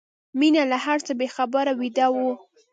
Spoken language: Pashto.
مينه له هر څه بې خبره ویده وه